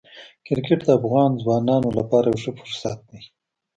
کرکټ د افغان ځوانانو لپاره یو ښه فرصت دی.